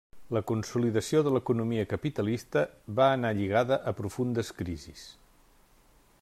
La consolidació de l'economia capitalista va anar lligada a profundes crisis.